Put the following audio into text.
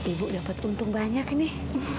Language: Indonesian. ibu dapat untung banyak nih